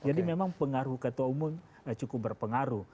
jadi memang pengaruh ketua umum cukup berpengaruh